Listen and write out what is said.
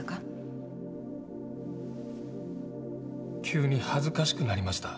急に恥ずかしくなりました。